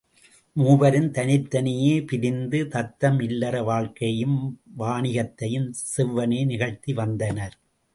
மூவரும் தனித்தனியே பிரிந்து தத்தம் இல்லற வாழ்க்கையையும் வாணிகத்தையும் செவ்வனே நிகழ்த்தி வந்தனர்.